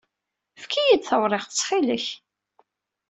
Efk-iyi-d tawriqt, ttxil-k.